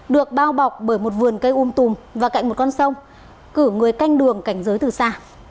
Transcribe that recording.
được bao bọc bởi một vườn cây um tùm và cạnh một con sông cử người canh đường cảnh giới từ xa